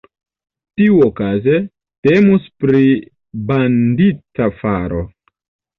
Tiuokaze, temus pri bandita faro.